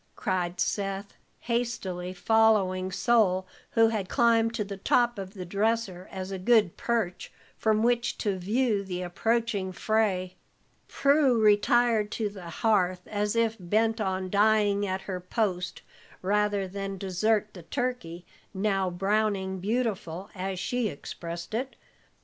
cried Seth, hastily following Sol, who had climbed to the top of the dresser as a good perch from which to view the approaching fray. Prue retired to the hearth as if bent on dying at her post rather than desert the turkey, now "browning beautiful," as she expressed it.